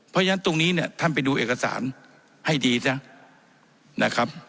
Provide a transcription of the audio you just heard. เพราะฉะนั้นตรงนี้เนี่ยท่านไปดูเอกสารให้ดีซะนะครับ